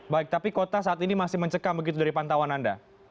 baik tapi kota saat ini masih mencekam begitu dari pantauan anda